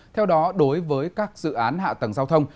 theo đó đối với các dự án hạ tầng giao thông